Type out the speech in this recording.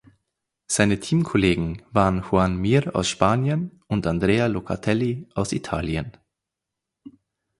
Seine Teamkollegen waren Joan Mir aus Spanien und Andrea Locatelli aus Italien.